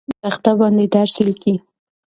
ښوونکی په تخته باندې درس لیکي.